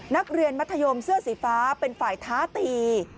นักเรียนมัธยมเสื้อสีฟ้าเป็นฝ่ายท้าตี